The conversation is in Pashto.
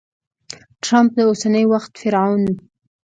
ټرمپ د اوسني وخت فرعون!